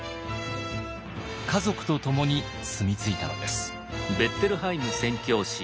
家族と共に住み着いたのです。